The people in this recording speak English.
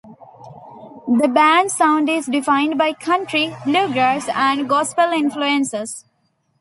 The band's sound is defined by country, bluegrass and gospel influences.